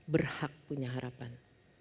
berhak punya harapan